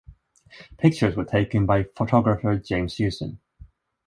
Pictures were taken by photographer James Houston.